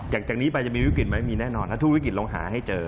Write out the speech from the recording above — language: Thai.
จากนี้ไปจะมีวิกฤตไหมมีแน่นอนถ้าทุกวิกฤตลองหาให้เจอ